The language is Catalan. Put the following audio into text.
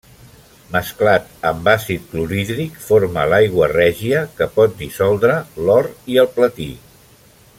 Mesclat amb àcid clorhídric forma l'aigua règia, que pot dissoldre l'or i el platí.